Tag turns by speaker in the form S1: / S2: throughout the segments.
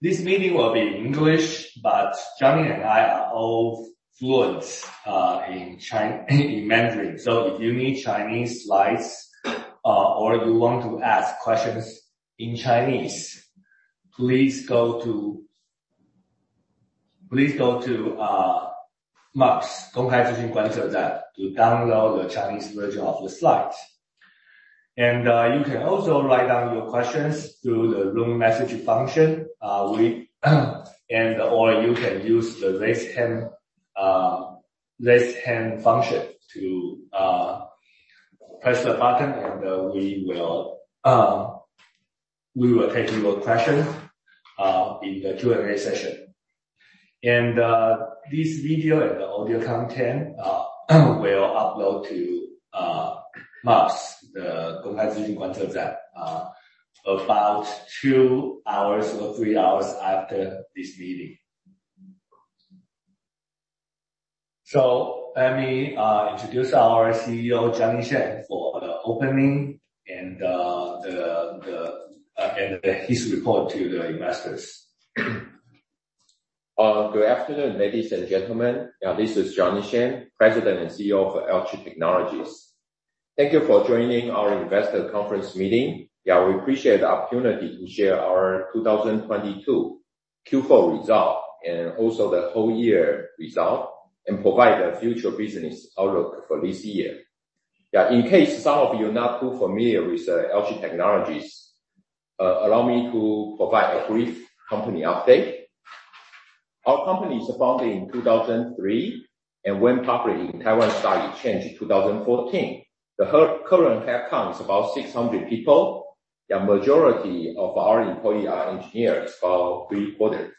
S1: This meeting will be English, but Johnny and I are all fluent in Mandarin. If you need Chinese slides, or you want to ask questions in Chinese, please go to MOPS to download the Chinese version of the slides. You can also write down your questions through the room message function. Or you can use the raise hand function to press the button, and we will take your question in the Q&A session. This video and the audio content will upload to MOPS about 2 hours or 3 hours after this meeting. Let me introduce our CEO, Johnny Shen, for the opening and his report to the investors.
S2: Good afternoon, ladies and gentlemen. This is Johnny Shen, President and CEO of Alchip Technologies. Thank you for joining our investor conference meeting. We appreciate the opportunity to share our 2022 Q4 result and also the whole year result, and provide a future business outlook for this year. In case some of you are not too familiar with Alchip Technologies, allow me to provide a brief company update. Our company is founded in 2003, and went public in Taiwan Stock Exchange in 2014. The current headcount is about 600 people. The majority of our employee are engineers for three products.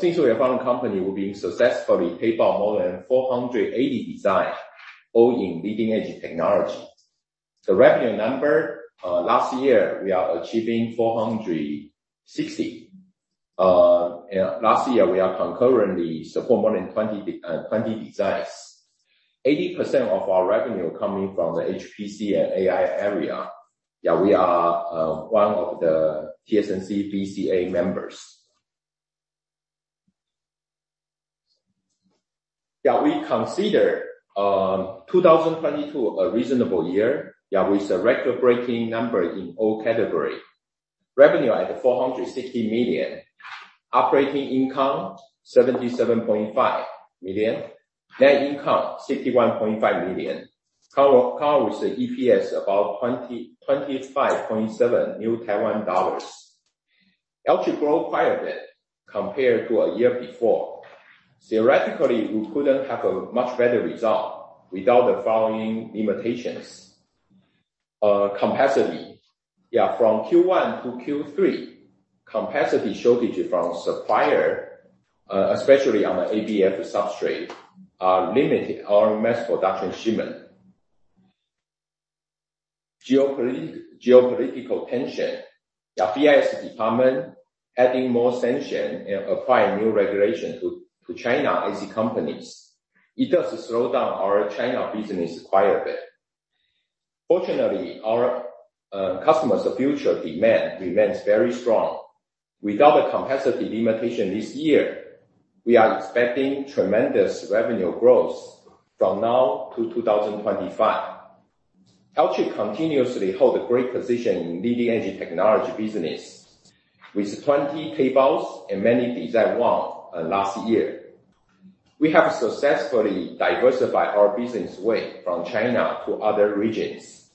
S2: Since we have founded company, we've been successfully tape out more than 408 design, all in leading-edge technology. The revenue number, last year, we are achieving 460. Last year, we are concurrently support more than 20 designs. 80% of our revenue coming from the HPC and AI area. We are one of the TSMC VCA members. We consider 2022 a reasonable year. With a record-breaking number in all category. Revenue at 460 million. Operating income, 77.5 million. Net income, 61.5 million. Comparable with the EPS about 25.7 Taiwan dollars. Alchip grow quite a bit compared to a year before. Theoretically, we couldn't have a much better result without the following limitations. Capacity. From Q1 to Q3, capacity shortage from supplier, especially on the ABF substrate, limited our mass production shipment. Geopolitical tension. The BIS adding more sanction and apply new regulation to China IC companies. It does slow down our China business quite a bit. Fortunately, our customers future demand remains very strong. Without the capacity limitation this year, we are expecting tremendous revenue growth from now to 2025. Alchip continuously hold a great position in leading-edge technology business with 20 tapeouts and many design won last year. We have successfully diversified our business way from China to other regions.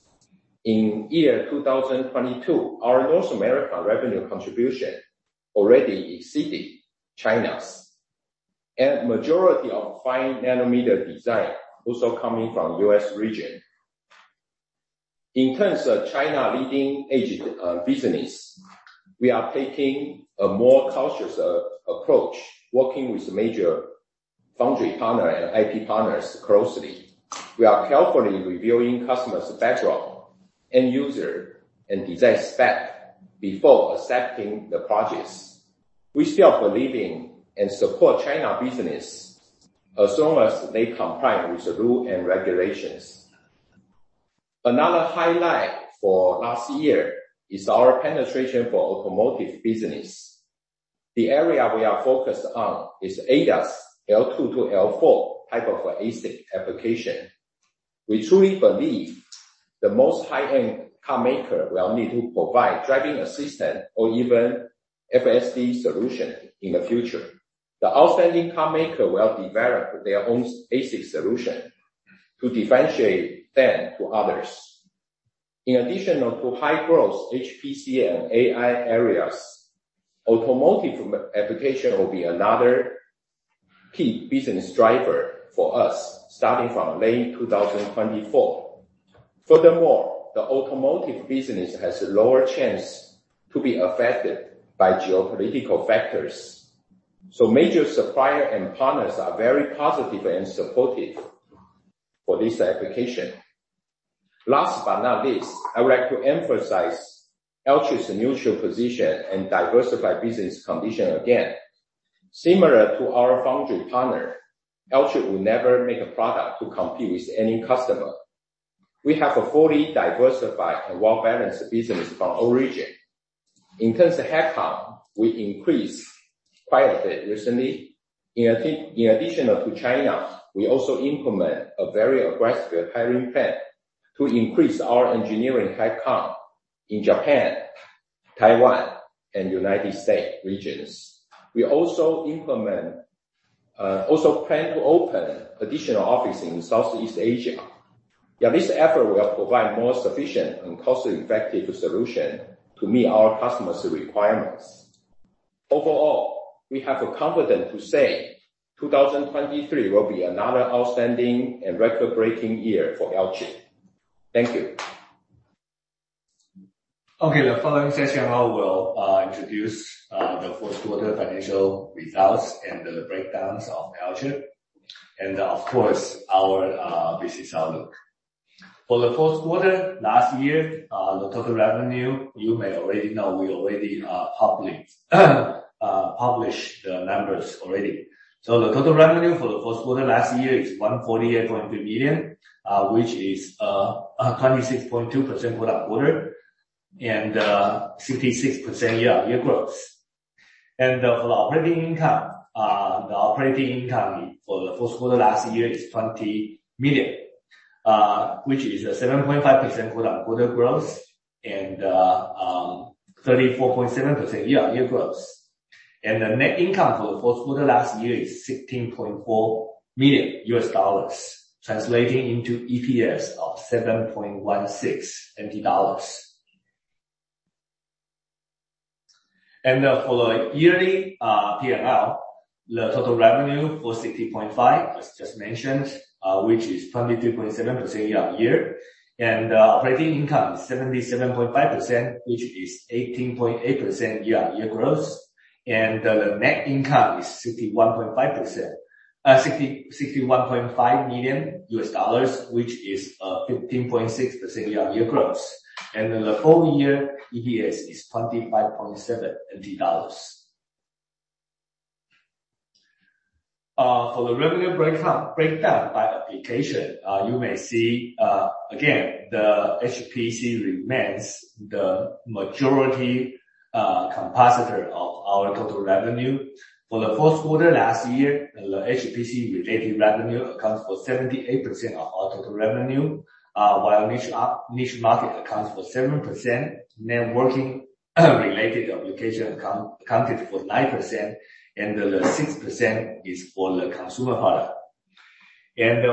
S2: In year 2022, our North America revenue contribution already exceeded China's. Majority of 5-nanometer design also coming from US region. In terms of China leading-edge business, we are taking a more cautious approach working with major foundry partner and IP partners closely. We are carefully reviewing customers background, end-user, and design spec before accepting the projects. We still believe in and support China business as long as they comply with the rule and regulations. Another highlight for last year is our penetration for automotive business. The area we are focused on is ADAS L2 to L4 type of ASIC application. We truly believe the most high-end car maker will need to provide driving assistant or even FSD solution in the future. The outstanding car maker will develop their own ASIC solution to differentiate them to others. In addition to high growth HPC and AI areas, automotive application will be another key business driver for us starting from May 2024. Furthermore, the automotive business has a lower chance to be affected by geopolitical factors. Major supplier and partners are very positive and supportive for this application. Last but not least, I would like to emphasize Alchip's mutual position and diversify business condition again. Similar to our foundry partner, Alchip will never make a product to compete with any customer. We have a fully diversified and well-balanced business from origin. In terms of headcount, we increased quite a bit recently. In addition to China, we also implement a very aggressive hiring plan to increase our engineering headcount in Japan, Taiwan and United States regions. We also plan to open additional office in Southeast Asia. Yeah, this effort will provide more sufficient and cost-effective solution to meet our customers' requirements. Overall, we have the confidence to say 2023 will be another outstanding and record-breaking year for Alchip. Thank you.
S1: Okay, the following section I will introduce the fourth quarter financial results and the breakdowns of Alchip. Of course, our business outlook. For the fourth quarter last year, the total revenue, you may already know, we already published the numbers already. The total revenue for the fourth quarter last year is 148.3 million, which is a 26.2% quarter-on-quarter, and 66% year-on-year growth. For operating income, the operating income for the fourth quarter last year is 20 million, which is a 7.5% quarter-on-quarter growth and 34.7% year-on-year growth. The net income for the fourth quarter last year is $16.4 million, translating into EPS of 7.16 dollars. For yearly PNL, the total revenue for 60.5%, as just mentioned, which is 22.7% year-on-year. Operating income is 77.5%, which is 18.8% year-on-year growth. The net income is $61.5 million US dollars, which is 15.6% year-on-year growth. The whole year EPS is 25.7 NT dollars. For the revenue breakdown by application, you may see, again, the HPC remains the majority compositor of our total revenue. For the fourth quarter last year, the HPC related revenue accounts for 78% of our total revenue, while Niche market accounts for 7%. Networking, related application accounted for 9%, and the 6% is for the consumer product.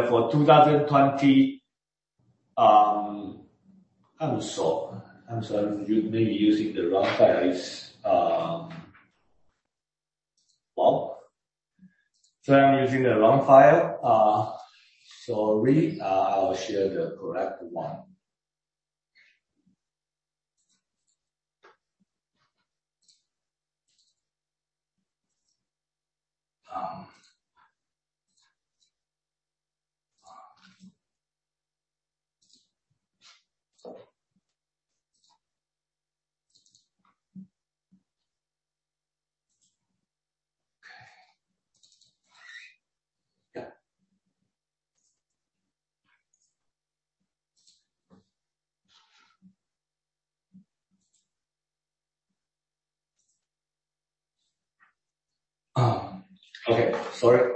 S1: For 2020, I'm sorry. You may be using the wrong files. Well, so I'm using the wrong file. Sorry. I'll share the correct one. Okay. Sorry.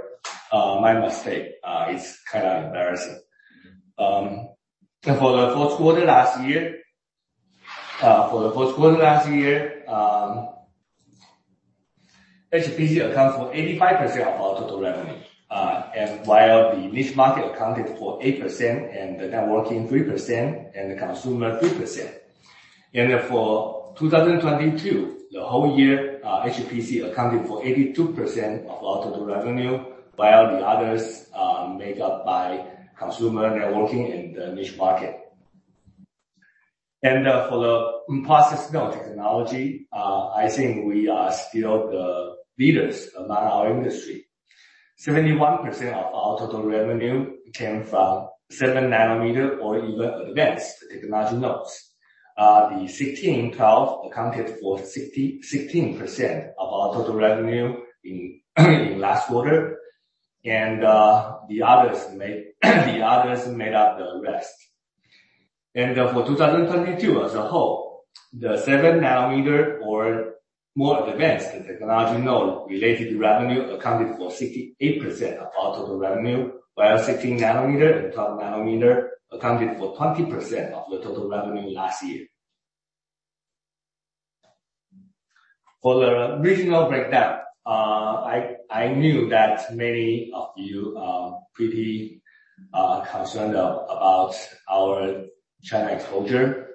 S1: My mistake. It's kinda embarrassing. For the fourth quarter last year, HPC accounts for 85% of our total revenue. While the Niche market accounted for 8% and the networking 3% and the consumer 3%. For 2022, the whole year, HPC accounted for 82% of our total revenue, while the others are made up by consumer, networking, and the Niche market. For the process technology, I think we are still the leaders among our industry. 71% of our total revenue came from 7-nanometer or even advanced technology nodes. The 16, 12 accounted for 16% of our total revenue in last quarter. The others made up the rest. For 2022 as a whole, the 7-nanometer or more advanced technology node related revenue accounted for 68% of our total revenue, while 16-nanometer and 12-nanometer accounted for 20% of the total revenue last year. For the regional breakdown, I knew that many of you are pretty concerned about our China exposure.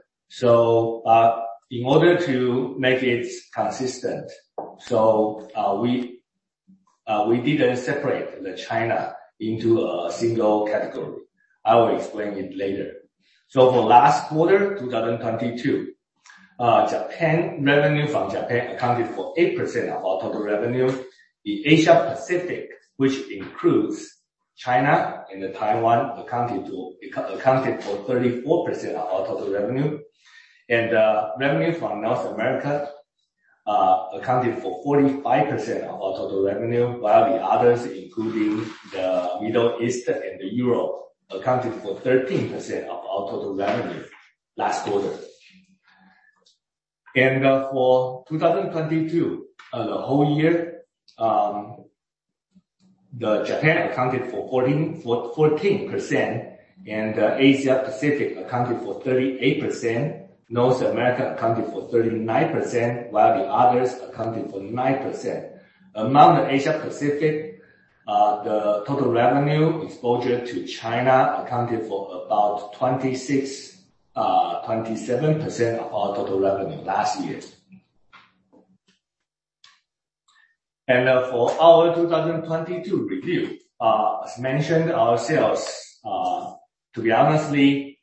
S1: In order to make it consistent, we didn't separate the China into a single category. I will explain it later. For last quarter, 2022, revenue from Japan accounted for 8% of our total revenue. The Asia Pacific, which includes China and Taiwan, accounted for 34% of our total revenue. Revenue from North America accounted for 45% of our total revenue, while the others, including the Middle East and Europe, accounted for 13% of our total revenue last quarter. For 2022, the whole year, the Japan accounted for 14%, Asia Pacific accounted for 38%. North America accounted for 39%, while the others accounted for 9%. Among the Asia Pacific, the total revenue exposure to China accounted for 27% of our total revenue last year. For our 2022 review, as mentioned, our sales, to be honestly,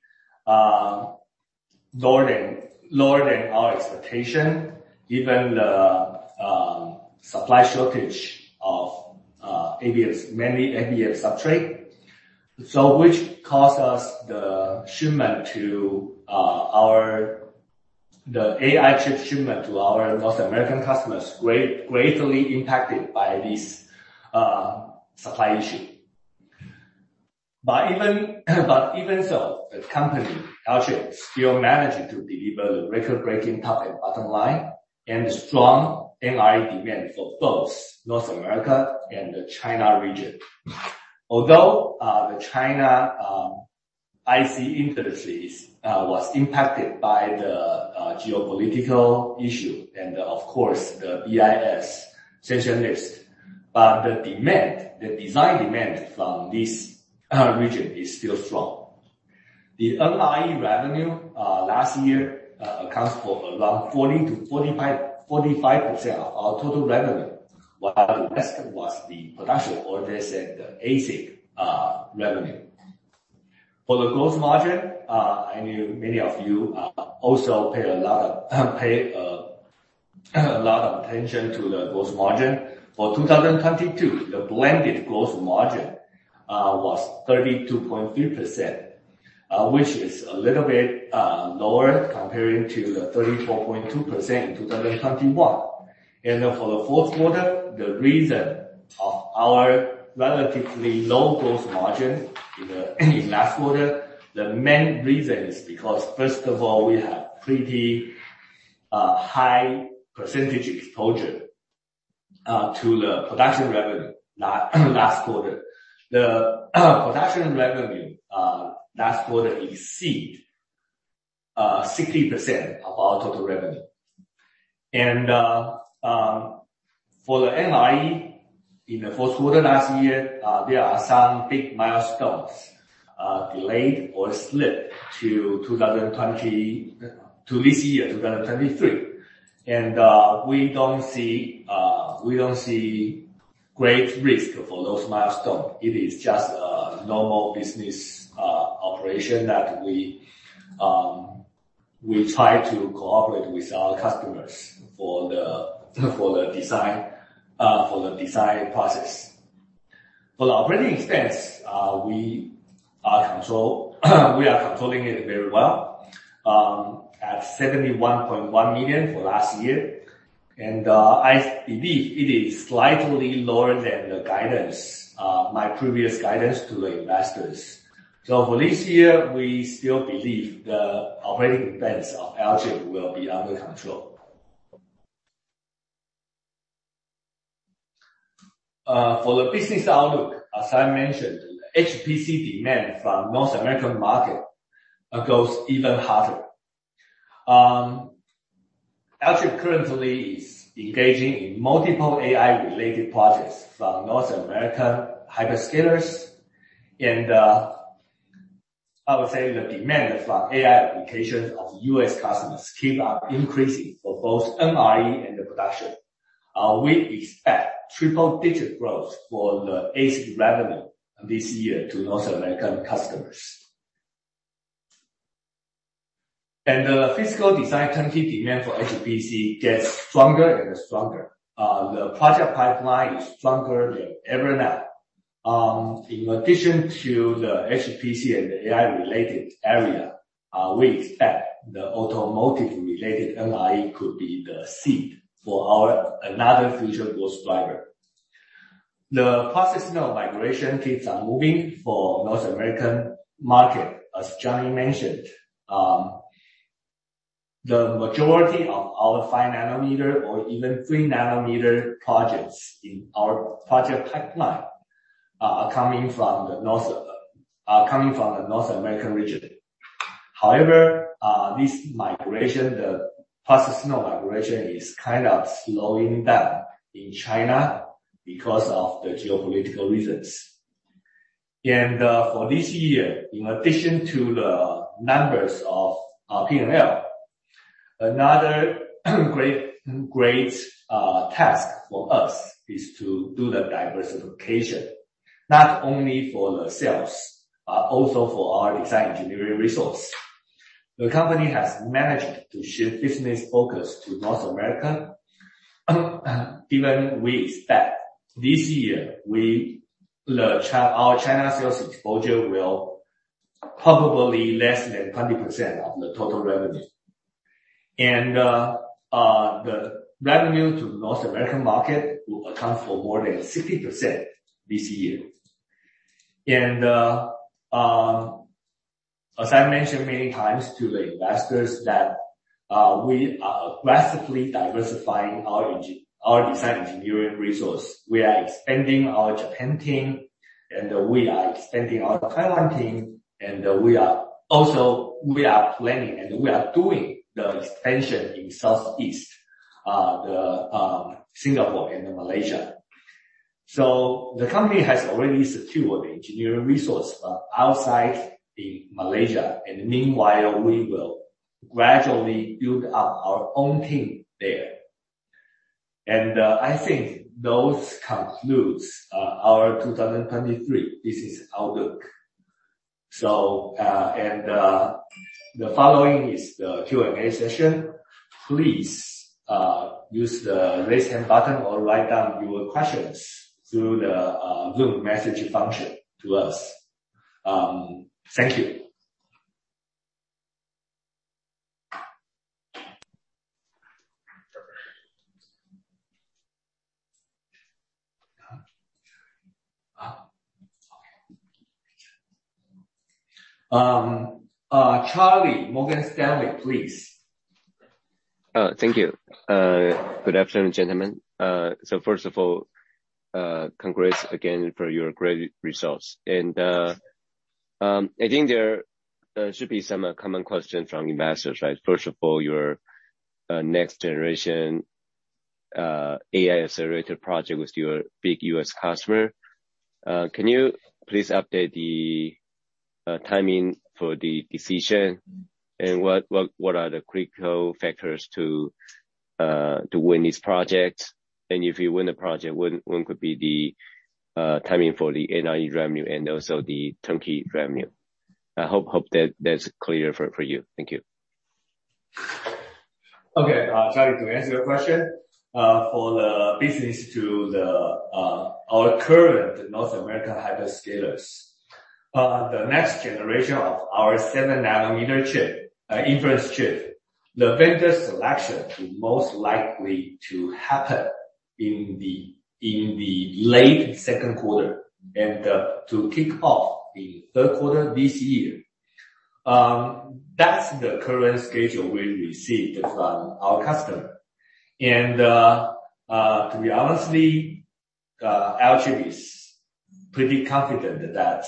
S1: lower than our expectation, given the supply shortage of ABF, mainly ABF substrate. Which caused us the AI chip shipment to our North American customers greatly impacted by this supply issue. Even so, the company, Alchip, still managing to deliver the record-breaking top and bottom line and strong NRE demand for both North America and the China region. Although the China IC industries was impacted by the geopolitical issue and of course, the BIS sanction list. The demand, the design demand from this region is still strong. The NRE revenue last year accounts for around 40%-45% of our total revenue, while the rest was the production orders and the ASIC revenue. For the gross margin, I know many of you also pay a lot of attention to the gross margin. For 2022, the blended gross margin was 32.3%, which is a little bit lower comparing to the 34.2% in 2021. For the fourth quarter, the reason of our relatively low gross margin in last quarter, the main reason is because first of all, we have pretty high percentage exposure to the production revenue last quarter. The production revenue last quarter exceed 60% of our total revenue. For the NRE in the fourth quarter last year, there are some big milestones, delayed or slipped to 2023. We don't see great risk for those milestones. It is just a normal business operation that we try to cooperate with our customers for the design process. For the operating expense, we are controlling it very well, at 71.1 million for last year. I believe it is slightly lower than the guidance, my previous guidance to the investors. For this year, we still believe the operating expense of Alchip will be under control. For the business outlook, as I mentioned, HPC demand from North American market grows even hotter. Alchip currently is engaging in multiple AI-related projects from North America hyperscalers and, I would say the demand from AI applications of US customers keep on increasing for both NRE and the production. We expect triple-digit growth for the ASIC revenue this year to North American customers. The physical design turnkey demand for HPC gets stronger and stronger. The project pipeline is stronger than ever now. In addition to the HPC and AI related area, we expect the automotive related NRE could be the seed for our another future growth driver. The process node migration keeps on moving for North American market, as Johnny mentioned. The majority of our 5-nanometer or even 3-nanometer projects in our project pipeline are coming from the North American region. However, this migration, the process node migration is kind of slowing down in China because of the geopolitical reasons. For this year, in addition to the numbers of our P&L, another great task for us is to do the diversification. Not only for the sales, also for our design engineering resource. The company has managed to shift business focus to North America. Even we expect this year we, our China sales exposure will probably less than 20% of the total revenue. The revenue to the North American market will account for more than 60% this year. As I mentioned many times to the investors that, we are aggressively diversifying our design engineering resource. We are expanding our Japan team, we are expanding our Thailand team, we are also planning and doing the expansion in Southeast, the Singapore and Malaysia. The company has already secured the engineering resource outside in Malaysia, meanwhile we will gradually build up our own team there. I think those concludes our 2023 business outlook. The following is the Q&A session. Please use the raise hand button or write down your questions through the Zoom message function to us. Thank you. Charlie, Morgan Stanley, please.
S3: Thank you. Good afternoon, gentlemen. First of all, congrats again for your great results. I think there should be some common questions from investors, right? First of all, your next generation AI accelerator project with your big US customer. Can you please update the timing for the decision? What are the critical factors to win this project? If you win the project, when could be the timing for the NRE revenue and also the turnkey revenue? I hope that's clear for you. Thank you.
S1: Okay. Charlie, to answer your question, for the business to the, our current North American hyperscalers. The next generation of our 7-nanometer chip, inference chip, the vendor selection will most likely to happen in the, in the late second quarter and to kick off in third quarter this year. That's the current schedule we received from our customer. To be honestly, Alchip is pretty confident that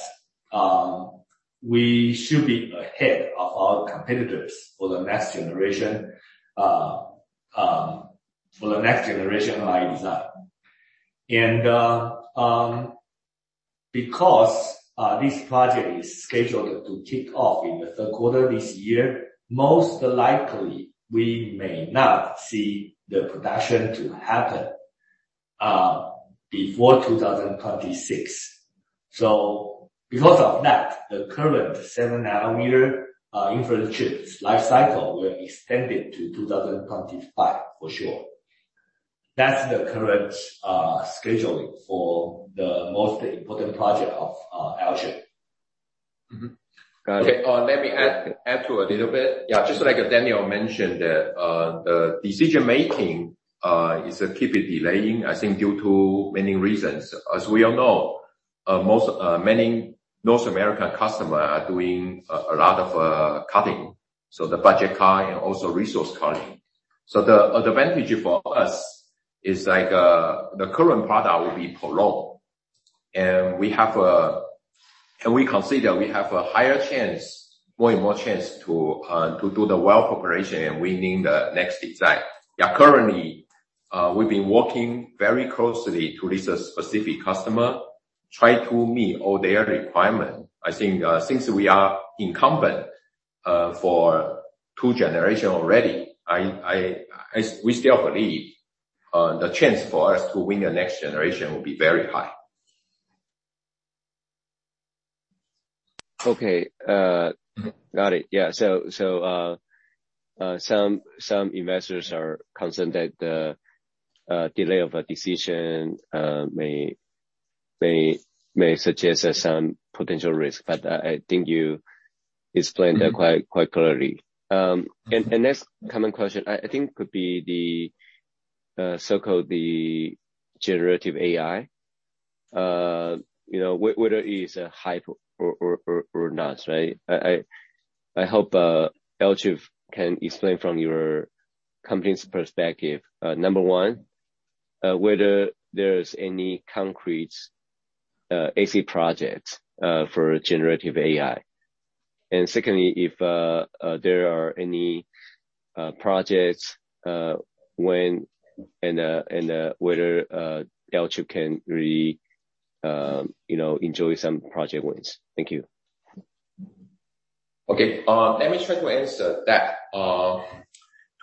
S1: we should be ahead of our competitors for the next generation for the next generation design. Because this project is scheduled to kick off in the third quarter this year, most likely we may not see the production to happen before 2026. Because of that, the current 7-nanometer inference chips life cycle will extend it to 2025 for sure. That's the current scheduling for the most important project of Alchip. Got it. Let me add to a little bit. Just like Daniel mentioned, that the decision-making is keeping delaying, I think, due to many reasons. As we all know, most many North American customer are doing a lot of cutting. The budget cut and also resource cutting. The advantage for us is like the current product will be prolonged. We consider we have a higher chance, more and more chance to do the well preparation and winning the next design. Currently, we've been working very closely to this specific customer, try to meet all their requirement. hhI think, since we are incumbent, for two generation already, I still believe the chance for us to win the next generation will be very high.
S3: Okay. Got it. Yeah. Some investors are concerned that the delay of a decision may suggest some potential risk. I think you explained that quite clearly. Next common question, I think could be the so-called generative AI. You know, whether it is a hype or not, right? I hope Alchip can explain from your company's perspective, number one, whether there's any concrete ASIC projects for generative AI. Secondly, if there are any projects, when and whether Alchip can really, you know, enjoy some project wins. Thank you.
S2: Okay. Let me try to answer that.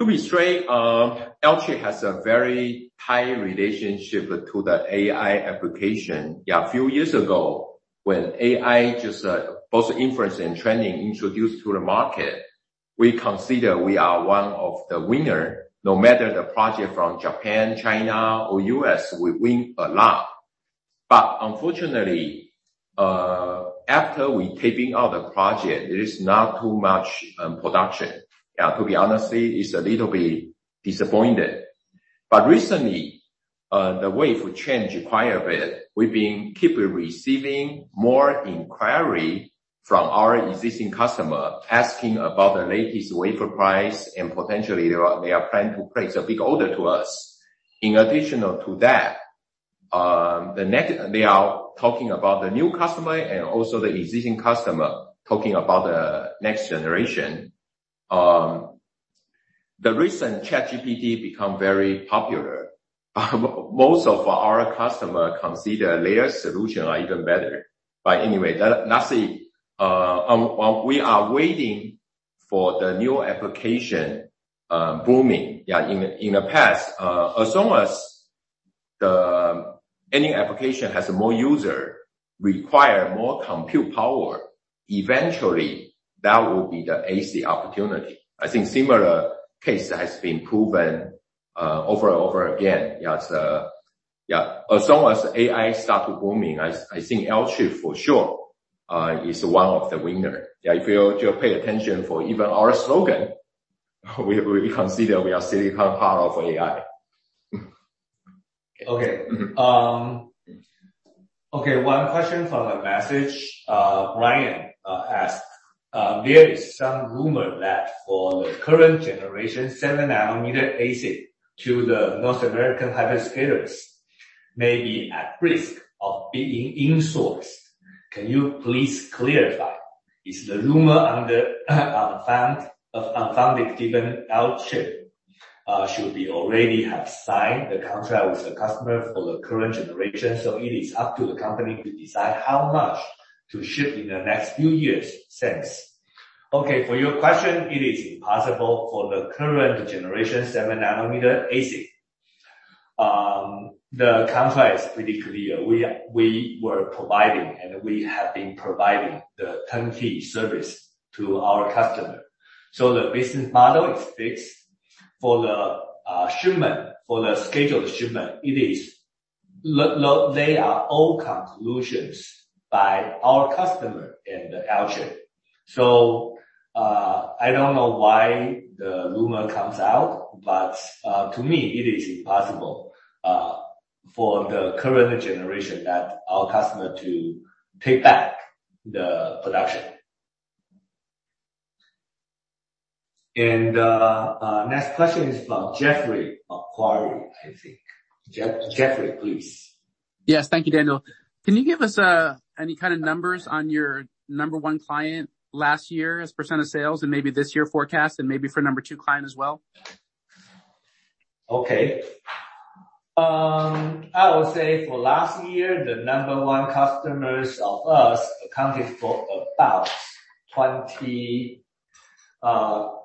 S2: To be straight, LT has a very high relationship to the AI application. A few years ago, when AI just both inference and training introduced to the market, we consider we are one of the winner. No matter the project from Japan, China or US, we win a lot. Unfortunately, after we taping out the project, there is not too much production. To be honest, it's a little bit disappointed. Recently, the wave would change quite a bit. We've been keep receiving more inquiry from our existing customer, asking about the latest wafer price and potentially they are planning to place a big order to us. In additional to that, They are talking about the new customer and also the existing customer talking about the next generation. The recent ChatGPT become very popular. Most of our customer consider their solution even better. Anyway, that's it. We are waiting for the new application booming. In the past, as long as any application has more user require more compute power, eventually that will be the ASIC opportunity. I think similar case has been proven over and over again. It's, yeah. As long as AI start booming, I think LT for sure is one of the winner. If you pay attention for even our slogan, we consider we are silicon power of AI.
S1: Okay, one question from the message. Ryan asked, there is some rumor that for the current generation 7-nanometer ASIC to the North American hyperscalers may be at risk of being insourced. Can you please clarify? Is the rumor unfounded given Alchip should be already have signed the contract with the customer for the current generation, it is up to the company to decide how much to ship in the next few years since. Okay. For your question, it is impossible for the current generation 7-nanometer ASIC. The contract is pretty clear. We were providing, and we have been providing the turnkey service to our customer. The business model is fixed. For the shipment, for the scheduled shipment, it is they are all conclusions by our customer in the Alchip. I don't know why the rumor comes out, but, to me, it is impossible, for the current generation that our customer to take back the production. Next question is from Jeffrey Kvaal, I think. Jeffrey, please.
S4: Yes. Thank you, Daniel. Can you give us any kind of numbers on your number one client last year as % of sales and maybe this year forecast and maybe for number two client as well?
S1: Okay. I would say for last year, the number one customers of us accounted for close to 30%.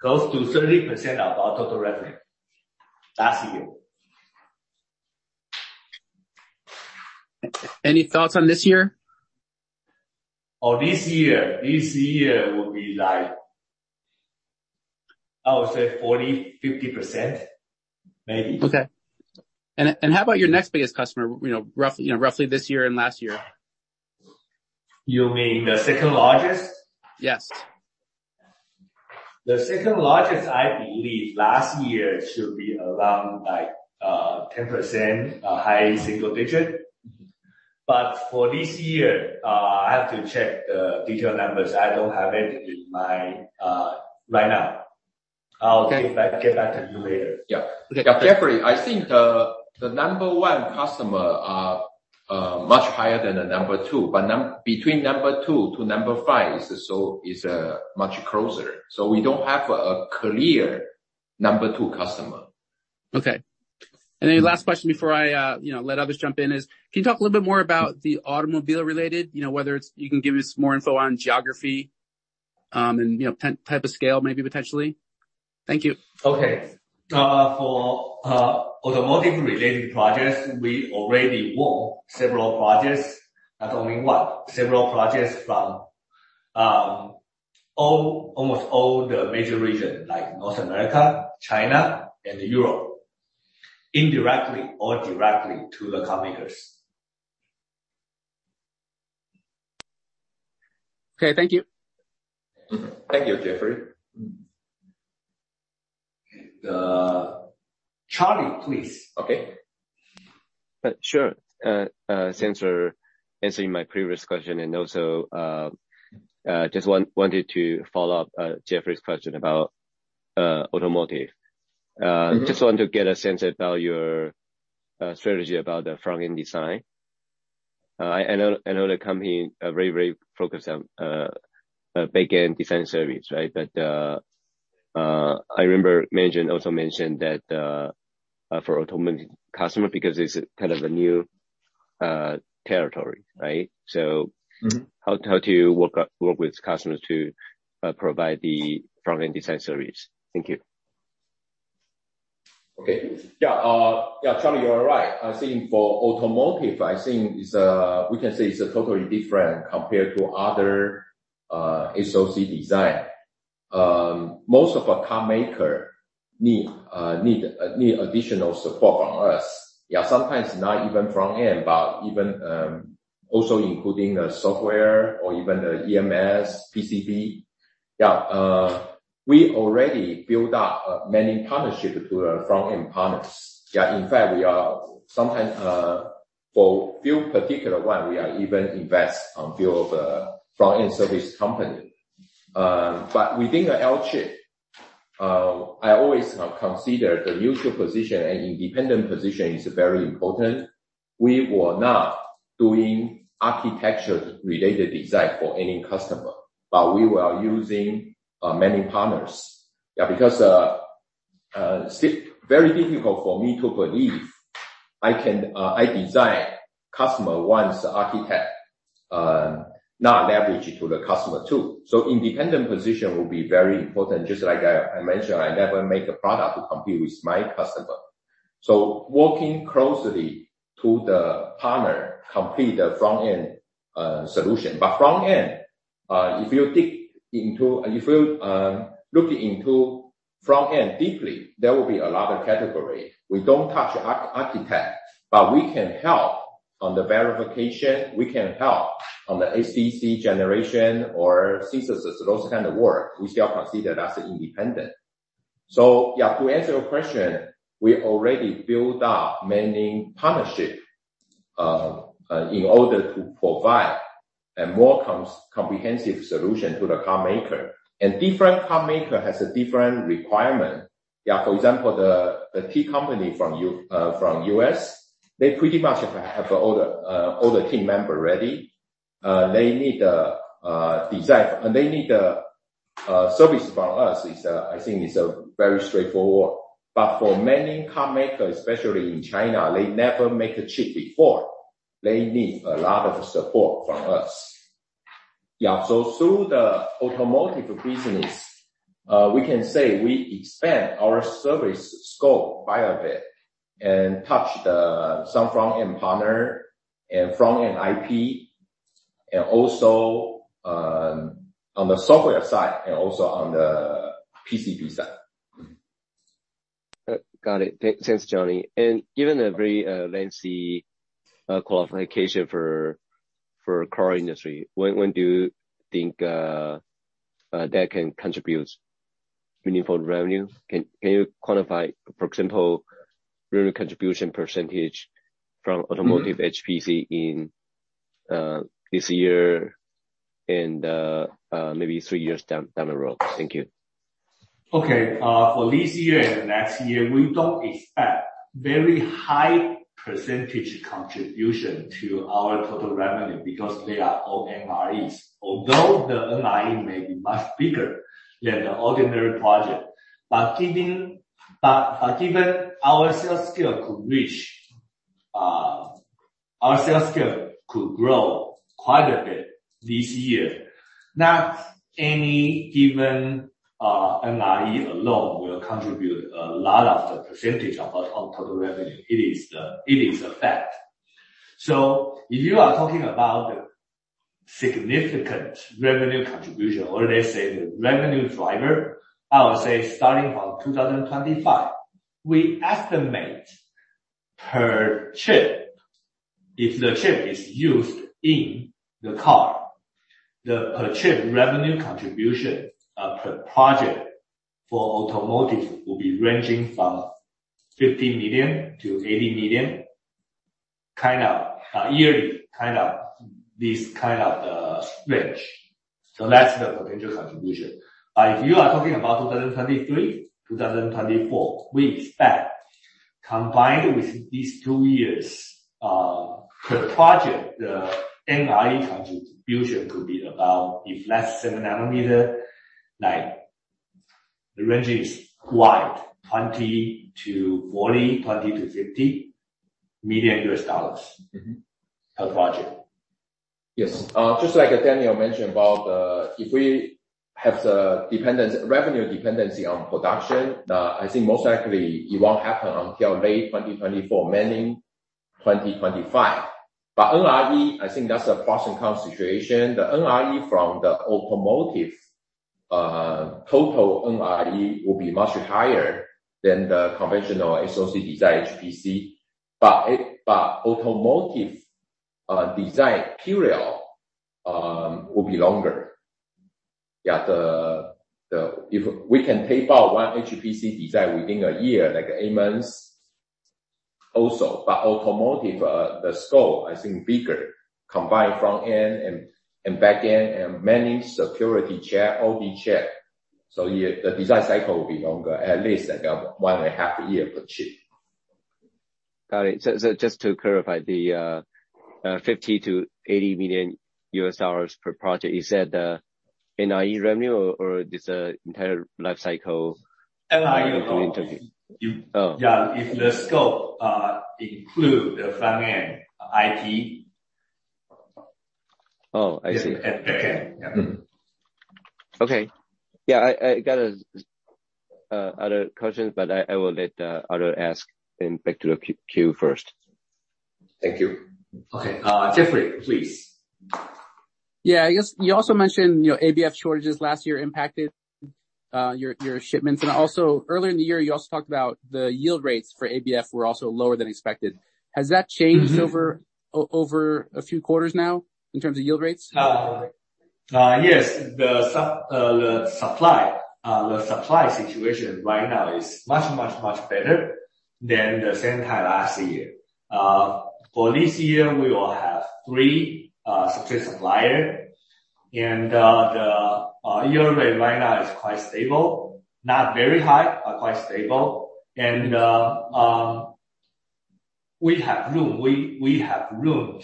S1: Close to 30% of our total revenue. Last year.
S4: Any thoughts on this year?
S1: This year. This year will be like, I would say 40%-50% maybe.
S4: Okay. How about your next biggest customer, you know, roughly this year and last year?
S1: You mean the second-largest?
S4: Yes.
S1: The second-largest, I believe last year should be around like, 10%, high single digit. For this year, I have to check the detailed numbers. I don't have it in my right now.
S4: Okay.
S1: I'll get back to you later. Yeah.
S2: Jeffrey, I think the number one customer are much higher than the number two, but between number two to number five is much closer. We don't have a clear number two customer.
S4: Okay. Last question before I, you know, let others jump in is, can you talk a little bit more about the automobile-related? You know, whether it's. You can give us more info on geography, and, you know, 10 type of scale, maybe potentially. Thank you.
S1: Okay. for automotive related projects, we already won several projects. Not only one, several projects from almost all the major region like North America, China and Europe, indirectly or directly to the car makers.
S4: Okay. Thank you.
S1: Thank you, Jeffrey. Charlie, please.
S2: Okay.
S3: Sure. Since you're answering my previous question and also, just wanted to follow up Jeffrey's question about automotive.
S1: Mm-hmm.
S3: Just wanted to get a sense about your strategy about the front-end design. I know the company are very, very focused on back-end design service, right? I remember mentioned, also mentioned that for automotive customer, because it's kind of a new territory, right?
S2: Mm-hmm.
S3: How do you work with customers to provide the front-end design service? Thank you.
S2: Okay. Yeah, Charlie, you are right. I think for automotive, I think it's, we can say it's a totally different compared to other SoC design. Most of our car maker need additional support from us. Sometimes not even front end, but even also including the software or even the EMS, PCB. We already built up many partnership to front-end partners. In fact, we are sometimes, for few particular one, we are even invest on build a front-end service company. Within the Alchip, I always consider the neutral position and independent position is very important. We were not doing architecture related design for any customer, but we were using many partners. Yeah, because it's very difficult for me to believe I can design customer one's architect, not leverage it to the customer two. Independent position will be very important. Just like I mentioned, I never make a product to compete with my customer. Working closely to the partner complete the front end solution. Front end, if you look into front end deeply, there will be a lot of category. We don't touch architect, but we can help on the verification, we can help on the ASIC generation or synthesis, those kind of work. We still consider that as independent. Yeah, to answer your question, we already built up many partnership in order to provide a more comprehensive solution to the carmaker. Different carmaker has a different requirement. Yeah, for example, the T company from US, they pretty much have all the team member ready. They need the design, they need the service from us. It's, I think it's a very straightforward. For many carmaker, especially in China, they never make a chip before. They need a lot of support from us. Yeah. Through the automotive business, we can say we expand our service scope by a bit and touch the some front-end partner and front-end IP, also on the software side and also on the PCB side.
S3: Got it. Thanks, Johnny. Given the very lengthy qualification for car industry, when do you think that can contribute meaningful revenue? Can you quantify, for example, revenue contribution percentage from automotive...
S2: Mm-hmm.
S3: HPC in this year and maybe 3 years down the road? Thank you.
S2: Okay. For this year and next year, we don't expect very high % contribution to our total revenue because they are all NREs. Although the NRE may be much bigger than the ordinary project. Given our sales scale could reach, our sales scale could grow quite a bit this year, not any given NRE alone will contribute a lot of the % on total revenue. It is a fact. If you are talking about the significant revenue contribution or let's say the revenue driver, I would say starting from 2025, we estimate per chip, if the chip is used in the car, the per chip revenue contribution per project for automotive will be ranging from 50 million-80 million, kind of a yearly range. That's the potential contribution. If you are talking about 2023, 2024, we expect combined with these 2 years, per project, the NRE contribution could be about, if less 7-nanometer, like the range is wide, $20 million-$40 million, $20 million-$50 million.
S3: Mm-hmm.
S2: Per project. Yes. Just like Daniel mentioned about the revenue dependency on production, I think most likely it won't happen until late 2024, meaning 2025. NRE, I think that's a pros and cons situation. The NRE from the automotive total NRE will be much higher than the conventional SoC design HPC, but automotive design period will be longer. If we can pay about 1 HPC design within a year, like 8 months also. Automotive, the scope, I think bigger, combined front end and back end and many security check, all the check. The design cycle will be longer, at least like 1 and a half year per chip.
S3: Got it. Just to clarify, the, $50 million-$80 million per project, you said NRE revenue or this, entire life cycle?
S1: NRE-
S3: Oh.
S1: Yeah. If the scope include the front end IP.
S3: Oh, I see.
S1: At the end. Yeah.
S3: Okay. Yeah. I got a other questions, but I will let the other ask and back to the queue first.
S1: Thank you. Okay. Jeffrey, please.
S4: Yeah. I guess you also mentioned, you know, ABF shortages last year impacted, your shipments. Earlier in the year, you also talked about the yield rates for ABF were also lower than expected. Has that changed-
S1: Mm-hmm.
S4: over a few quarters now in terms of yield rates?
S1: Yes. The supply situation right now is much, much, much better than the same time last year. For this year, we will have 3 substrate supplier. The yield rate right now is quite stable. Not very high, but quite stable. We have room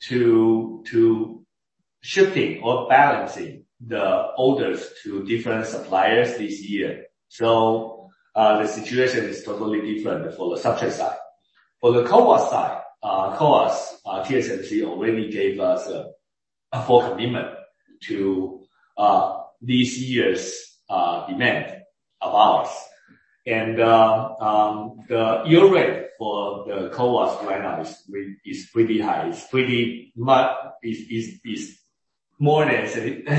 S1: to shifting or balancing the orders to different suppliers this year. The situation is totally different for the substrate side. For the CoWoS side, CoWoS, TSMC already gave us a full commitment to this year's demand of ours. The yield rate for the CoWoS right now is pretty high. It's pretty much more than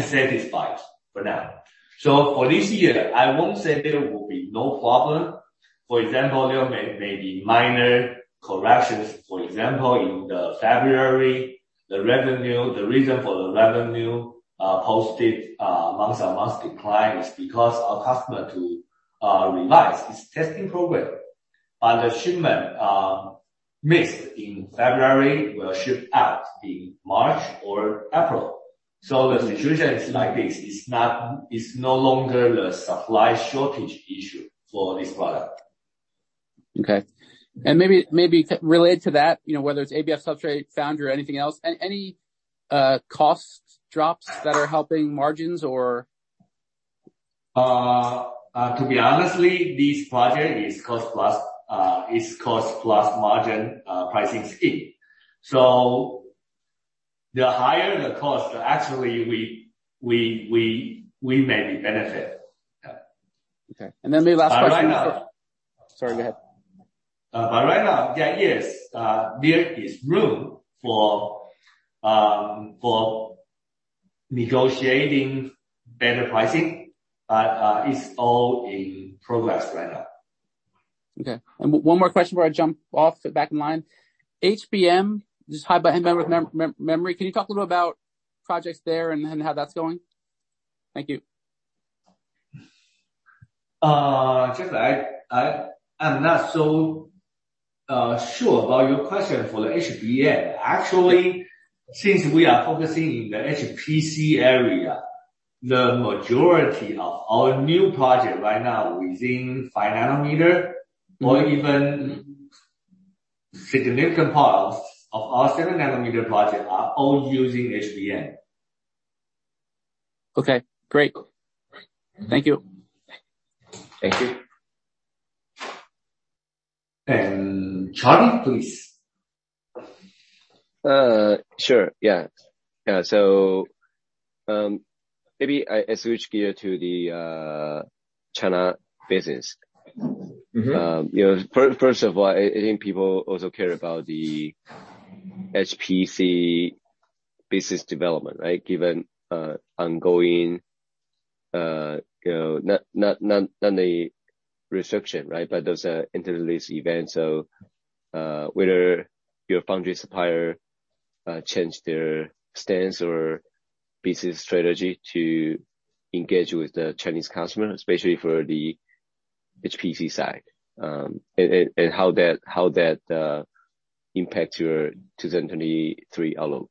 S1: satisfied for now. For this year, I won't say there will be no problem. For example, there may be minor corrections. For example, in the February, the revenue, the reason for the revenue posted month-on-month decline is because our customer to revise its testing program. The shipment missed in February will ship out in March or April. The situation is like this. It's not, it's no longer the supply shortage issue for this product.
S4: Okay. Maybe related to that, you know, whether it's ABF substrate, foundry or anything else. Any cost drops that are helping margins or...
S1: to be honestly, this project is cost-plus, is cost-plus margin, pricing scheme. The higher the cost, actually we maybe benefit. Yeah.
S4: Okay. Then maybe last question-
S1: Right now.
S4: Sorry, go ahead.
S1: Right now, yeah, yes, there is room for negotiating better pricing, but it's all in progress right now.
S4: Okay. One more question before I jump off back in line. HBM, just high bandwidth memory. Can you talk a little about projects there and how that's going? Thank you.
S1: Jeffrey, I am not so sure about your question for the HBM. Since we are focusing in the HPC area, the majority of our new project right now within 5 nanometer or even significant part of our 7 nanometer project are all using HBM.
S4: Okay, great. Thank you.
S1: Thank you. Charlie, please.
S3: Sure, yeah. Maybe I switch gear to the China business.
S1: Mm-hmm.
S3: you know, first of all, I think people also care about the HPC business development, right? Given, ongoing, you know, not a restriction, right? Those are interrelated events of, whether your foundry supplier, change their stance or business strategy to engage with the Chinese customer, especially for the HPC side. How that impact your 2023 outlook.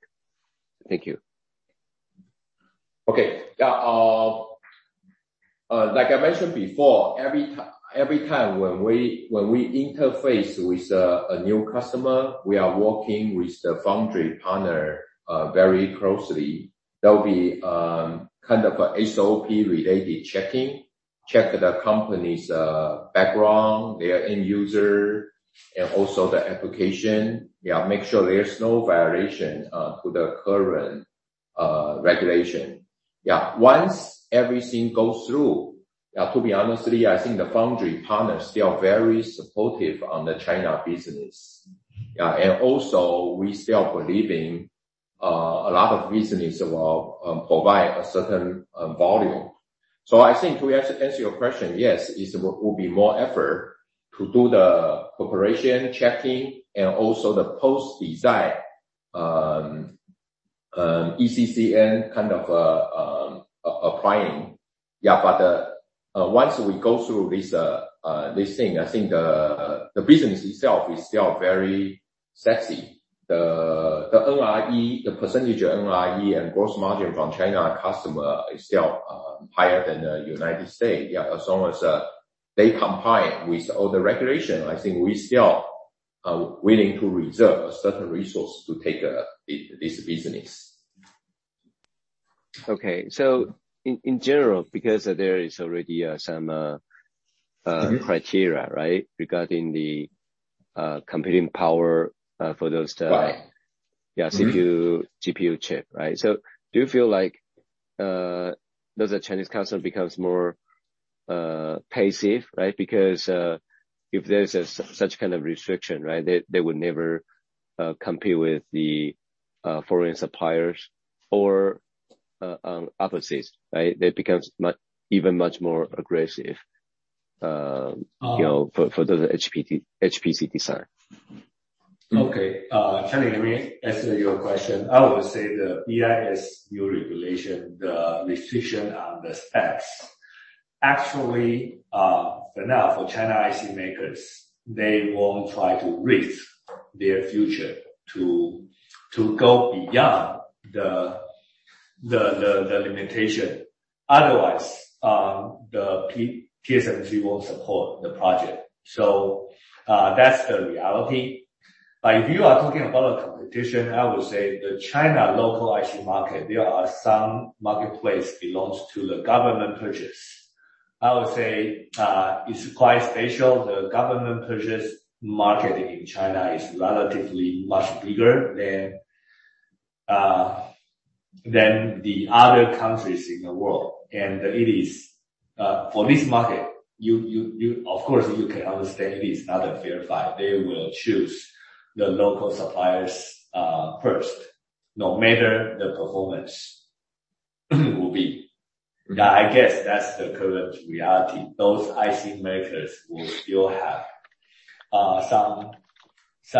S3: Thank you.
S1: Okay. Yeah, like I mentioned before, every time when we, when we interface with a new customer, we are working with the foundry partner very closely. There will be kind of a SOP related checking. Check the company's background, their end user and also the application. Make sure there's no violation to the current regulation. Once everything goes through, to be honestly, I think the foundry partners, they are very supportive on the China business. Also we still believing a lot of business will provide a certain volume. I think to answer your question, yes, it will be more effort to do the cooperation checking and also the post design ECCN kind of applying. Once we go through this thing, I think the business itself is still very sexy. The NRE, the percentage of NRE and gross margin from China customer is still higher than United States. Yeah. As long as they comply with all the regulation, I think we still are willing to reserve a certain resource to take this business.
S3: Okay. In general, because there is already, some,
S1: Mm-hmm.
S3: criteria, right? Regarding the, computing power, for those.
S1: Right. Mm-hmm.
S3: Yeah. CPU, GPU chip, right? Do you feel like, does the Chinese council become more passive, right? If there is such a kind of restriction, right, they would never compete with the foreign suppliers or opposite, right? They become even much more aggressive.
S1: Uh.
S3: you know, for the HPC design.
S1: Okay. Charlie, let me answer your question. I would say the BIS new regulation, the restriction on the specs, actually, for now, for China IC makers, they won't try to risk their future to go beyond the limitation. Otherwise, TSMC won't support the project. That's the reality. If you are talking about a competition, I would say the China local IC market, there are some marketplace belongs to the government purchase. I would say, it's quite special. The government purchase market in China is relatively much bigger than the other countries in the world. It is, for this market, you, of course, you can understand it is not a fair fight. They will choose the local suppliers, first, no matter the performance will be. Yeah, I guess that's the current reality. Those I.C. makers will still have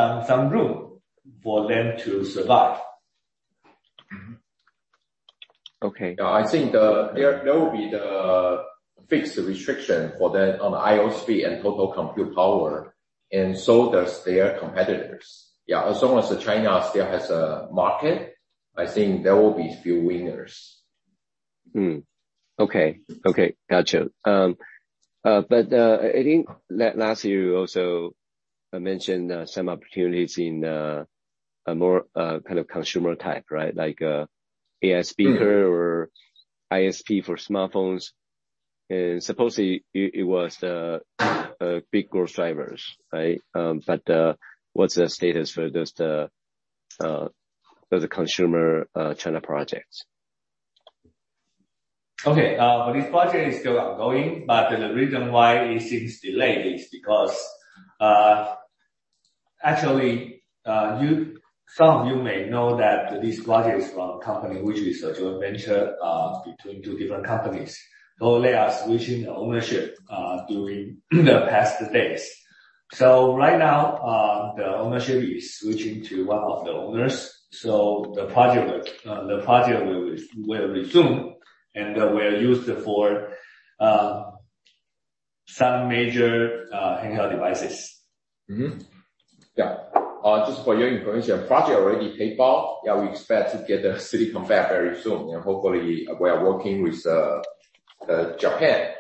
S1: some room for them to survive.
S3: Mm-hmm. Okay.
S1: I think there will be the fixed restriction for them on the IOPS and total compute power, and so does their competitors. Yeah. As long as China still has a market, I think there will be few winners.
S3: Gotcha. I think last year you also mentioned some opportunities in a more kind of consumer type, right? Like ASP or ISP for smartphones. Supposedly it was the big growth drivers, right? What's the status for just the consumer China projects?
S1: Okay. The reason why it seems delayed is because, actually, some of you may know that this project is from a company which is a joint venture, between two different companies. They are switching the ownership, during the past days. Right now, the ownership is switching to one of the owners. The project, the project will resume, and will use it for, some major, handheld devices.
S3: Mm-hmm.
S1: Just for your information, project already paid off. We expect to get the silicon back very soon. Hopefully we are working with Japan,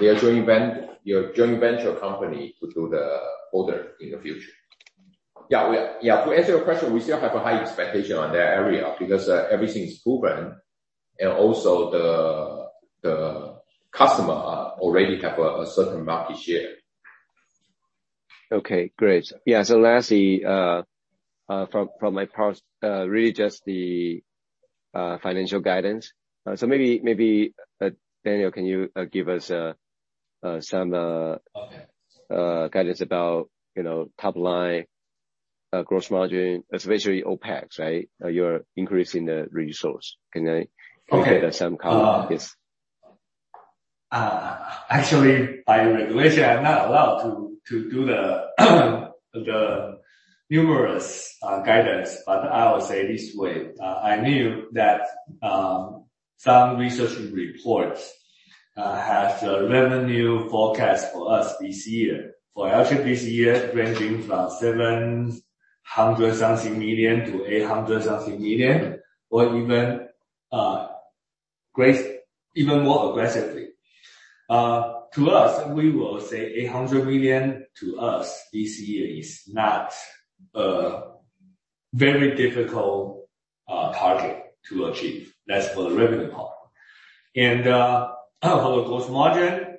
S1: their joint venture company to do the order in the future. To answer your question, we still have a high expectation on that area because everything is proven, also the customer already have a certain market share.
S3: Okay, great. Yeah. Lastly, from my part, really just the financial guidance. Maybe Daniel, can you give us some.
S1: Okay.
S3: guidance about, you know, top line, gross margin, especially OPEX, right? You're increasing the resource.
S1: Okay.
S3: get some comment, please?
S1: Actually, by regulation, I'm not allowed to do the numerous guidance, but I will say it this way. I knew that some research reports have the revenue forecast for us this year. For LT this year, ranging from 700 something million to 800 something million, or even more aggressively. To us, we will say 800 million to us this year is not a very difficult target to achieve. That's for the revenue part. For the gross margin,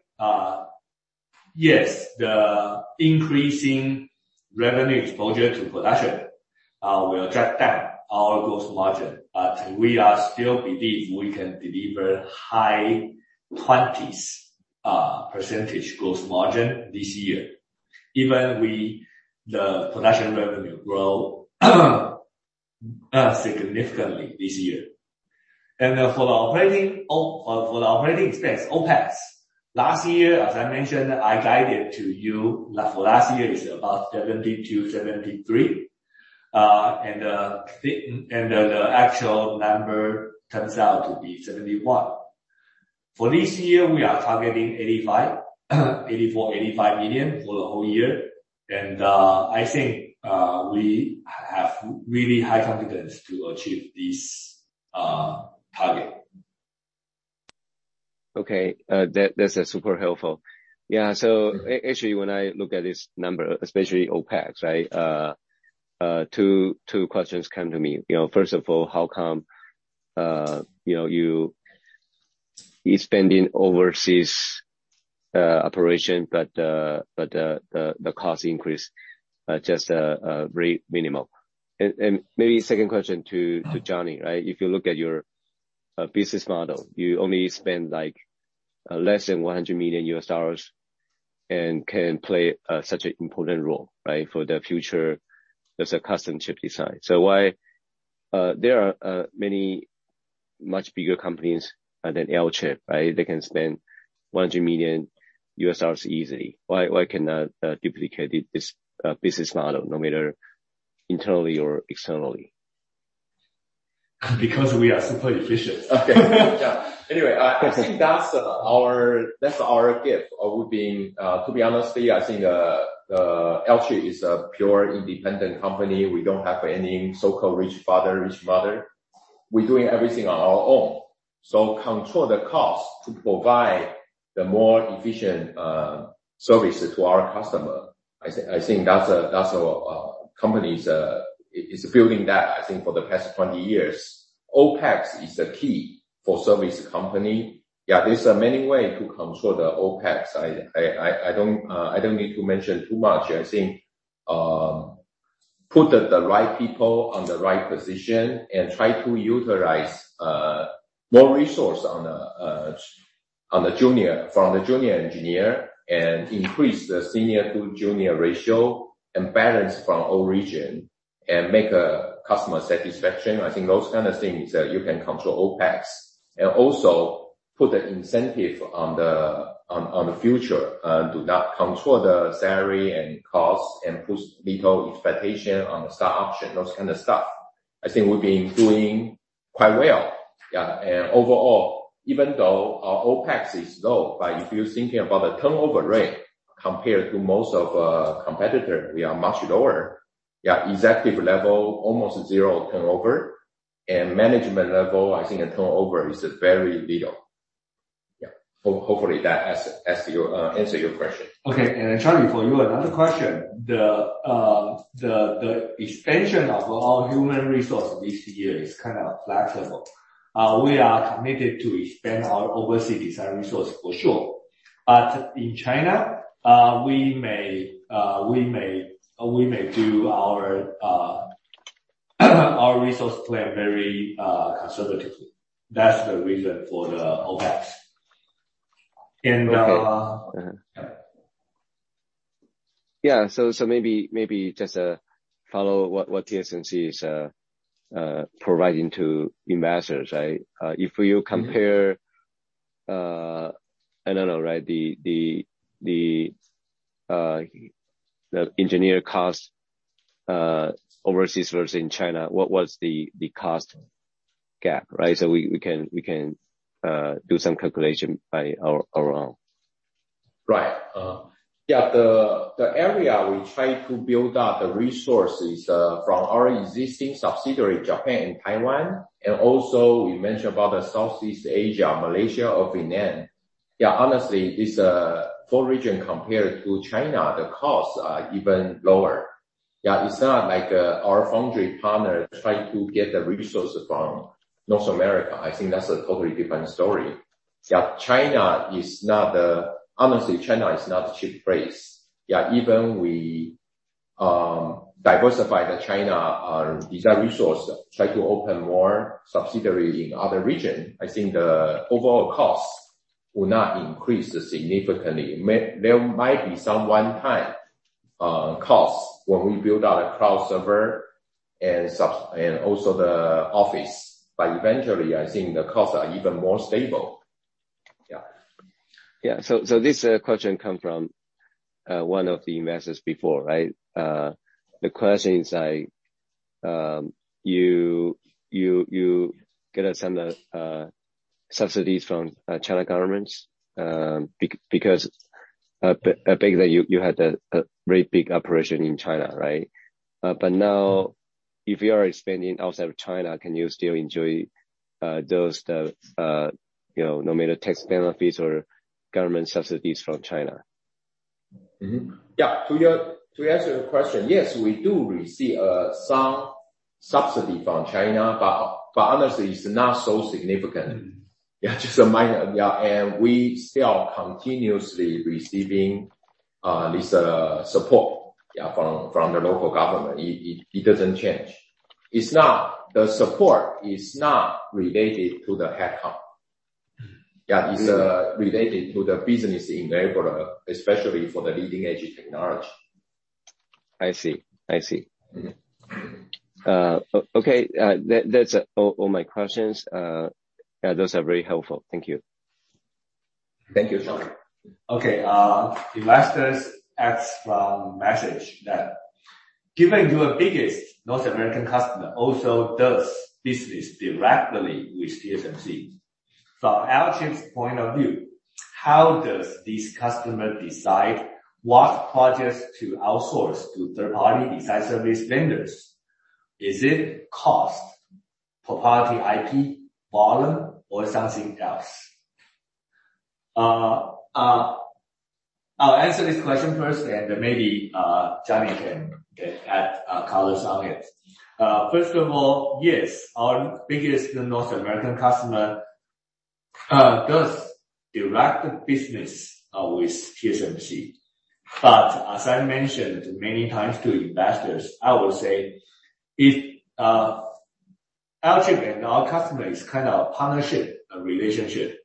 S1: yes, the increasing revenue exposure to production will drag down our gross margin, but we are still believe we can deliver high 20s % gross margin this year, even the production revenue grow significantly this year. For our operating expense, OPEX, last year, as I mentioned, I guided to you that for last year is about 70 million-73 million. The actual number turns out to be 71 million. For this year, we are targeting 85 million, 84 million, 85 million for the whole year. I think we have really high confidence to achieve this target.
S3: Okay. That's super helpful. Yeah, actually, when I look at this number, especially OpEx, right? Two questions come to me. You know, first of all, how come, you know, you're spending overseas operation, but the cost increase just very minimal. Maybe second question to Johnny, right? If you look at your business model, you only spend like less than $100 million and can play such an important role, right? For the future as a custom chip design. Why? There are many much bigger companies than Alchip, right? They can spend $100 million easily. Why cannot duplicate this business model, no matter internally or externally?
S2: We are super efficient.
S3: Okay. Yeah.
S2: I think that's our, that's our gift. To be honest, I think Alchip is a pure independent company. We don't have any so-called rich father, rich mother. We're doing everything on our own. Control the cost to provide the more efficient service to our customer. I think that's our company's it's building that, I think, for the past 20 years. OpEx is the key for service company. Yeah, there's a many way to control the OpEx. I don't need to mention too much. I think, put the right people on the right position and try to utilize more resource from the junior engineer and increase the senior to junior ratio and balance from all region and make a customer satisfaction. I think those kind of things, you can control OpEx. Also, put the incentive on the future, and do not control the salary and costs, and put little expectation on the stock option, those kind of stuff. I think we've been doing quite well. Yeah. Overall, even though our OpEx is low, but if you're thinking about the turnover rate compared to most of our competitor, we are much lower. Yeah, executive level, almost zero turnover. Management level, I think the turnover is very little. Yeah. Hopefully that answer your question.
S3: Okay. Johnny, for you, another question. The expansion of our human resource this year is kind of flexible. We are committed to expand our overseas design resource, for sure.
S2: In China, we may do our resource plan very conservatively. That's the reason for the OpEx.
S3: Okay. Mm-hmm.
S2: Yeah.
S3: Maybe just to follow what TSMC is providing to investors, right? If you compare, I don't know, right? The engineer cost overseas versus in China, what was the cost gap, right? We can do some calculation by our own.
S2: Right. Yeah. The area we try to build out the resources from our existing subsidiary, Japan and Taiwan. Also we mentioned about the Southeast Asia, Malaysia or Vietnam. Yeah, honestly, it's four region compared to China, the costs are even lower. Yeah, it's not like our foundry partner try to get the resource from North America. I think that's a totally different story. Yeah, China is not the... Honestly, China is not the cheap place. Yeah, even we diversify the China design resource, try to open more subsidiary in other region, I think the overall cost will not increase significantly. There might be some one-time costs when we build out a cloud server and also the office. Eventually, I think the costs are even more stable. Yeah.
S3: This question come from one of the investors before, right? The question is, like, you gonna send the subsidies from China governments, because that you had a very big operation in China, right? Now, if you are expanding outside of China, can you still enjoy those, the, you know, no matter tax benefits or government subsidies from China?
S2: Yeah. To answer your question, yes, we do receive some subsidy from China, but honestly, it's not so significant. Yeah, just a minor. Yeah. We still continuously receiving this support, yeah, from the local government. It doesn't change. The support is not related to the head count. Yeah. It's related to the business enabler, especially for the leading-edge technology.
S3: I see. I see.
S2: Mm-hmm.
S3: Okay. That's all my questions. Yeah, those are very helpful. Thank you.
S2: Thank you.
S3: Sure.
S1: Okay. Investors asked from message that given your biggest North American customer also does business directly with TSMC. From Alchip's point of view, how does this customer decide what projects to outsource to third-party design service vendors? Is it cost, proprietary IP, volume, or something else? I'll answer this question first and then maybe Johnny can add colors on it. First of all, yes, our biggest North American customer does direct business with TSMC. As I mentioned many times to investors, I would say if ultimately our customer is kind of partnership relationship.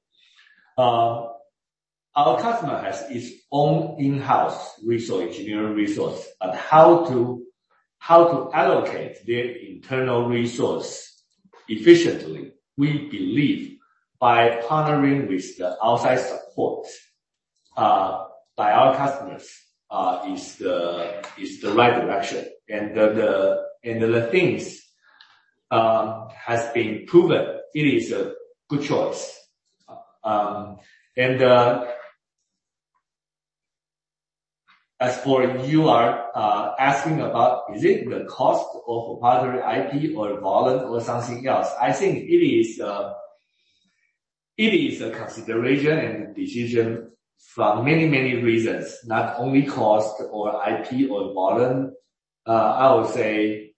S1: Our customer has its own in-house resource, engineering resource on how to allocate their internal resource efficiently. We believe by partnering with the outside support by our customers is the right direction. The things has been proven it is a good choice. As for you are asking about is it the cost of proprietary IP or volume or something else? I think it is, it is a consideration and decision from many, many reasons, not only cost or IP or volume. I would say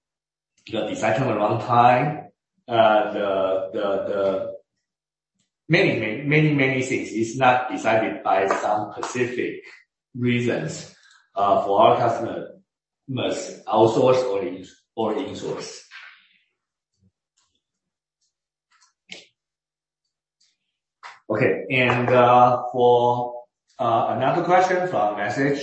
S1: the decision around time, the many, many, many things. It's not decided by some specific reasons, for our customer must outsource or insource. Okay. For another question from Message.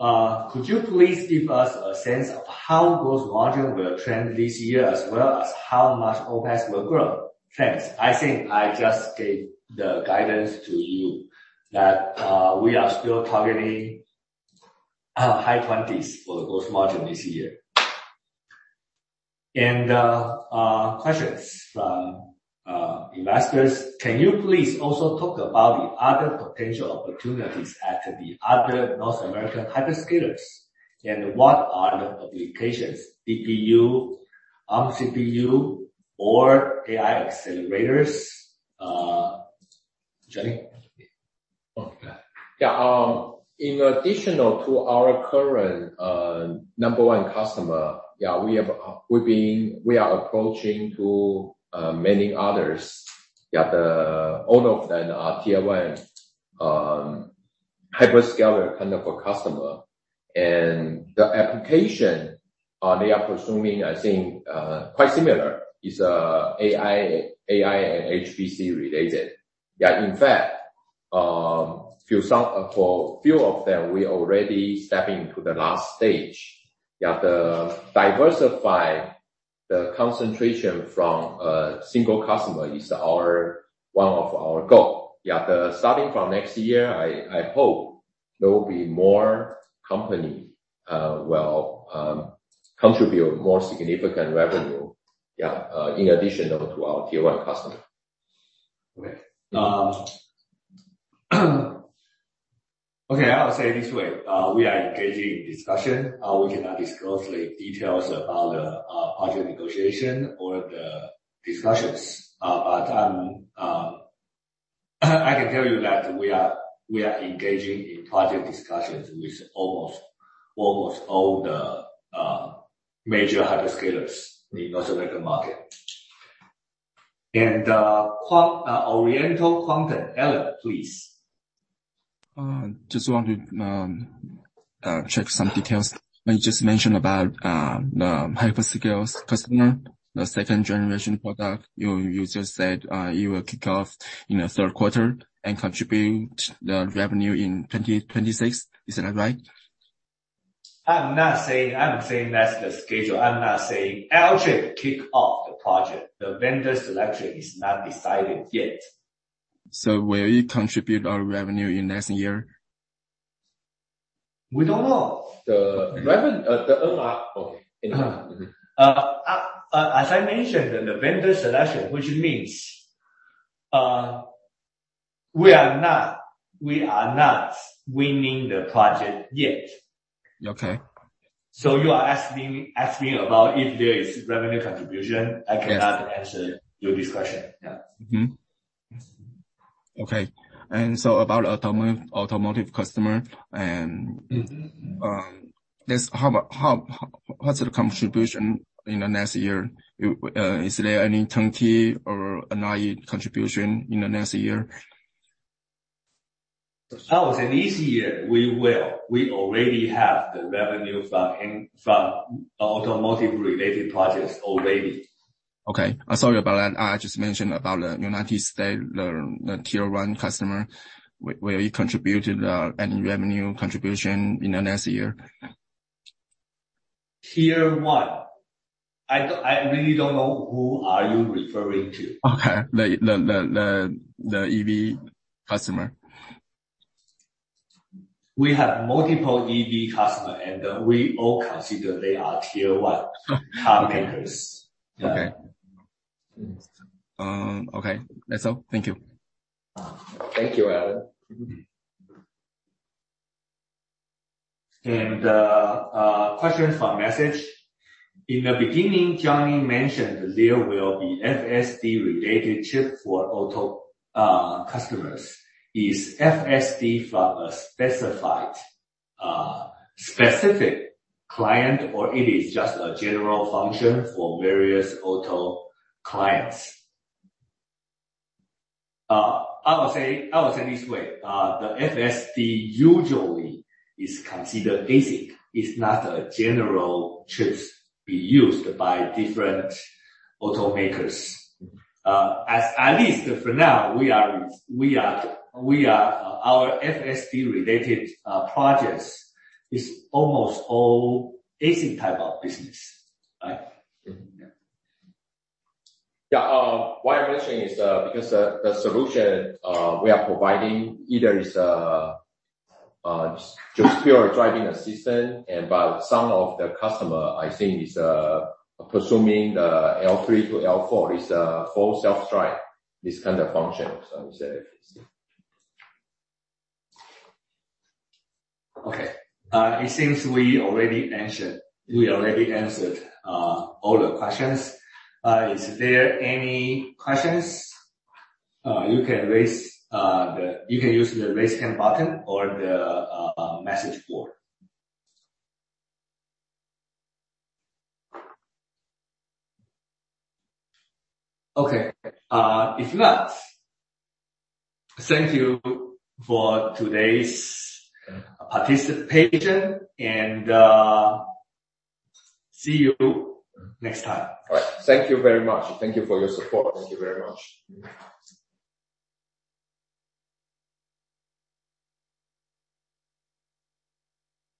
S1: Could you please give us a sense of how gross margin will trend this year as well as how much OPEX will grow? Thanks. I think I just gave the guidance to you that we are still targeting high twenties for the gross margin this year. Questions from investors. Can you please also talk about the other potential opportunities at the other North American hyperscalers? What are the applications? DPU, Arm CPU, or AI accelerators? Johnny.
S2: Okay. Yeah. In additional to our current number one customer, yeah, we are approaching to many others. Yeah. All of them are tier one hyperscaler kind of a customer. The application they are pursuing, I think, quite similar, is AI and HPC related. Yeah. In fact, for few of them, we already stepping to the last stage. Yeah. The diversify the concentration from a single customer is our, one of our goal. Yeah. The starting from next year, I hope there will be more company will contribute more significant revenue, yeah, in additional to our tier one customer.
S1: I'll say this way. We are engaging in discussion. We cannot disclose the details about the project negotiation or the discussions. But I can tell you that we are engaging in project discussions with almost all the major hyperscalers in North American market. Oriental Securities. Alan, please.
S5: just wanted check some details. You just mentioned about the hyperscales customer, the second generation product. You just said you will kick off in the third quarter and contribute the revenue in 2026. Is that right?
S1: I'm saying that's the schedule. I'm not saying actually kick off the project. The vendor selection is not decided yet.
S5: Will it contribute our revenue in next year?
S1: We don't know. The MR. Okay. As I mentioned, the vendor selection, which means, we are not winning the project yet.
S5: Okay.
S1: You are asking about if there is revenue contribution.
S5: Yes.
S1: I cannot answer your discussion. Yeah.
S5: Okay. About automotive customer.
S1: Mm-hmm.
S5: How's the contribution in the next year? Is there any TWD 20 or TWD 9 contribution in the next year?
S1: I would say this year we will. We already have the revenue from automotive related projects already.
S5: Okay. I'm sorry about that. I just mentioned about the United States, the tier one customer. Will you contribute any revenue contribution in the next year?
S1: Tier one. I really don't know who are you referring to?
S5: Okay. The EV customer.
S1: We have multiple EV customer, and we all consider they are tier one car makers.
S5: Okay. Okay. That's all. Thank you.
S1: Thank you, Alan. A question from message. In the beginning, Johnny mentioned there will be FSD-related chip for auto customers. Is FSD for a specified specific client or it is just a general function for various auto clients? I would say this way, the FSD usually is considered ASIC. It's not a general chips be used by different automakers. As at least for now, we are our FSD related projects is almost all ASIC type of business. Right? Yeah, why I'm mentioning is because the solution we are providing either is just pure driving assistant, but some of the customer I think is pursuing the L3 to L4 is full self-driving, this kind of function. We said FSD. Okay. It seems we already answered all the questions. Is there any questions? You can use the raise hand button or the message board. Okay. If not, thank you for today's participation, and see you next time. All right. Thank you very much. Thank you for your support. Thank you very much.